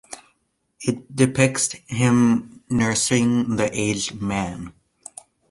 It depicts him nursing the aged man.